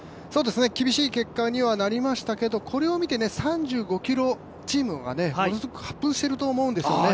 厳しい結果にはなりましたけどこれを見て３５ｋｍチームがものすごく発憤していると思うんですよね。